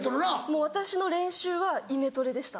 もう私の練習はイメトレでした。